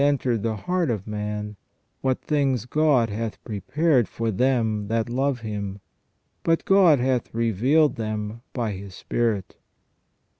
entered the heart of man, what things God hath prepared for them that love Him. But God hath revealed them, by His Spirit."